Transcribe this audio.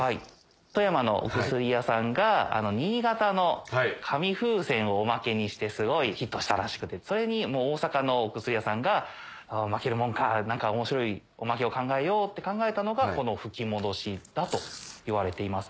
富山のお薬屋さんが新潟の紙風船をおまけにしてすごいヒットしたらしくてそれにもう大阪のお薬屋さんが負けるもんか何か面白いおまけを考えようって考えたのがこの吹き戻しだといわれています。